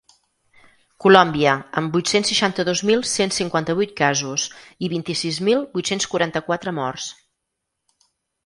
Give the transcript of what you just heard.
Colòmbia, amb vuit-cents seixanta-dos mil cent cinquanta-vuit casos i vint-i-sis mil vuit-cents quaranta-quatre morts.